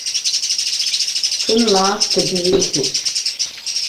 Ҽынла аасҭагьы еиӷьуп.